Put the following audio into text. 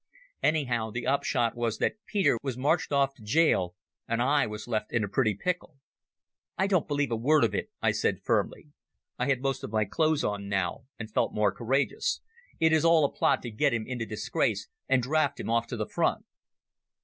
Anyhow the upshot was that Peter was marched off to gaol, and I was left in a pretty pickle. "I don't believe a word of it," I said firmly. I had most of my clothes on now and felt more courageous. "It is all a plot to get him into disgrace and draft him off to the front."